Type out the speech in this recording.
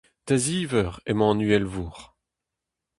Da ziv eur emañ an uhelvor.